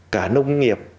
cả nông nghiệp